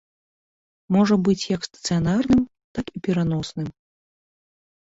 Можа быць як стацыянарным, так і пераносным.